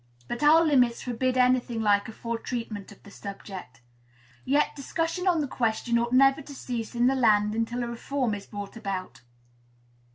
But our limits forbid any thing like a full treatment of the subject. Yet discussion on this question ought never to cease in the land until a reform is brought about.